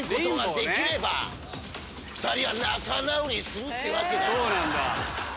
できれば２人は仲直りするってわけだ。